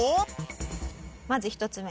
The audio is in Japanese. まず１つ目。